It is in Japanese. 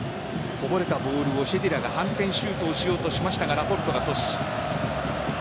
こぼれたボールをシェディラが反転シュートをしようとしましたがラポルトが阻止。